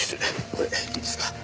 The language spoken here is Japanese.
これいいですか。